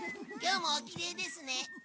今日もおきれいですね。